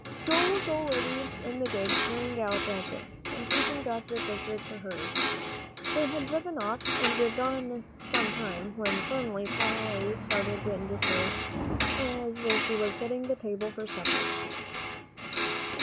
Joel was already in the gig, peeping out at them, and teasing Dr. Fisher to hurry. They had driven off, and been gone some time, when suddenly Polly started in dismay as she was setting the table for supper.